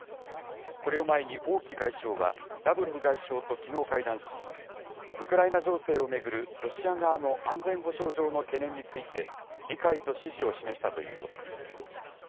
これを前に王毅外相はラブロフ外相ときのう会談し、ウクライナ情勢を巡るロシア側の安全保障上の懸念について、理解と支持を示したということです。